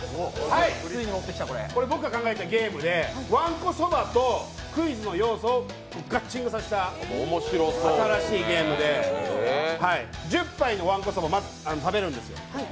これ、僕が考えたゲームでわんこそばとクイズの要素をガッチングさせた新しいゲームで１０杯のわんこそば食べるんですよ。